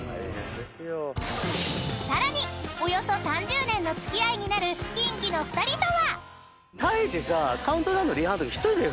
［さらにおよそ３０年の付き合いになるキンキの２人とは］